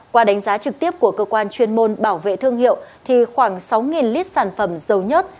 qua đánh giá trực tiếp của cơ quan chuyên môn bảo vệ thương hiệu thì khoảng sáu lít sản phẩm dầu nhớt